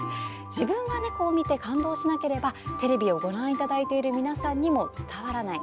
自分が猫を見て感動しなければテレビをご覧いただいている皆さんにも伝わらない。